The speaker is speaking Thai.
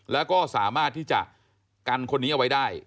แล้วก็สามารถที่จะกันคนนี้เอาไว้ได้